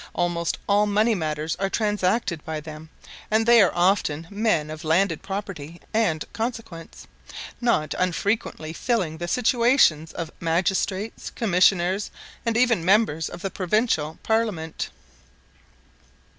Almost all money matters are transacted by them, and they are often men of landed property and consequence, not unfrequently filling the situations of magistrates, commissioners, and even members of the provincial parliament.